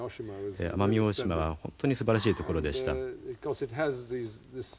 奄美大島は本当にすばらしいところでした。